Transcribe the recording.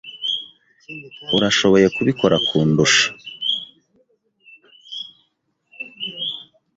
Urashoboye kubikora kundusha.